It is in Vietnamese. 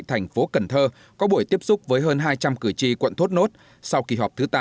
thành phố cần thơ có buổi tiếp xúc với hơn hai trăm linh cử tri quận thốt nốt sau kỳ họp thứ tám